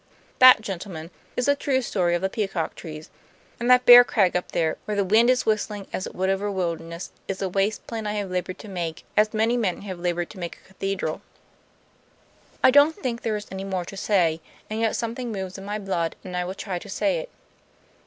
That, gentlemen, is the true story of the peacock trees; and that bare crag up there, where the wind is whistling as it would over a wilderness, is a waste place I have labored to make, as many men have labored to make a cathedral. "I don't think there is any more to say, and yet something moves in my blood and I will try to say it.